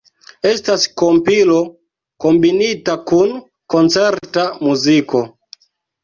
Estas kompilo kombinita kun koncerta muziko.